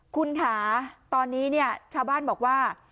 คุณค่ะตอนนี้เนี่ยชาวบ้านบอกว่า